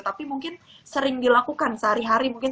tapi mungkin sering dilakukan sehari hari mungkin